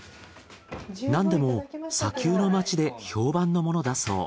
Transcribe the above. なんでも砂丘の街で評判なものだそう。